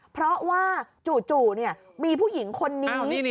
เพราะว่าจู่มีผู้หญิงคนนี้